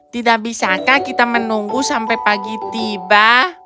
tidak bisakah kita menunggu sampai pagi tiba